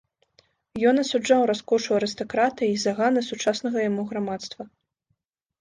Ён асуджаў раскошу арыстакратыі і заганы сучаснага яму грамадства.